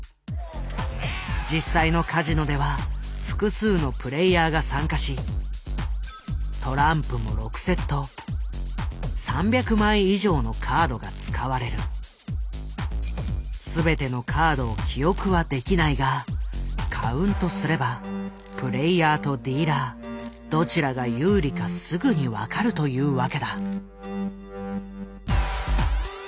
実際のカジノでは複数のプレイヤーが参加しトランプも全てのカードを記憶はできないがカウントすればプレイヤーとディーラーどちらが有利かすぐに分かるというわけだ。